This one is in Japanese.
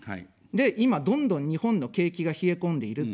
で、今、どんどん日本の景気が冷え込んでいる。